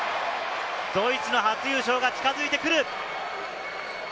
ドイツの初優勝が近づいてくる。